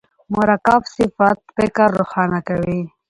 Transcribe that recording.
مرکب صفت فکر روښانه کوي.